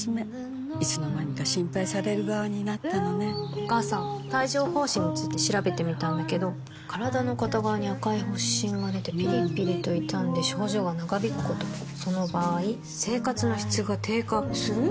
お母さん帯状疱疹について調べてみたんだけど身体の片側に赤い発疹がでてピリピリと痛んで症状が長引くこともその場合生活の質が低下する？